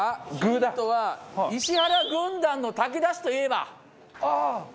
ヒントは石原軍団の炊き出しといえば？